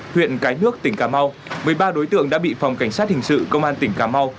huyện cái nước tỉnh cà mau một mươi ba đối tượng đã bị phòng cảnh sát hình sự công an tỉnh cà mau